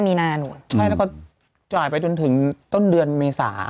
มีนานูจ่ายไปต้นถึงต้นเดือนเมษา